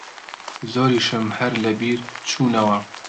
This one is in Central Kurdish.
زۆریشم هەر لەبیر چوونەوە